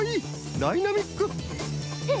ダイナミック！へえ！